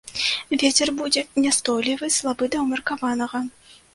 Вецер будзе няўстойлівы слабы да ўмеркаванага.